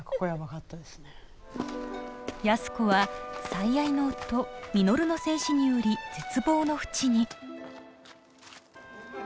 安子は最愛の夫稔の戦死により絶望の淵に。